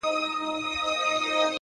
زه به له غمه لونگين نه سمه.!